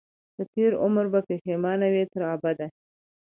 په تېر عمر به پښېمان وي تر ابده